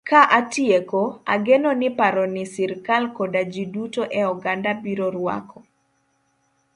Ka atieko, ageno ni paro ni sirkal koda ji duto e oganda biro rwako.